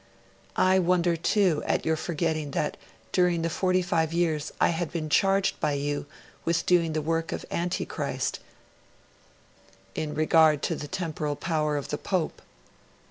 'I wonder, too, at your forgetting that during the forty five years I had been charged by you with doing the work of the Antichrist in regard to the Temporal Power of the Pope.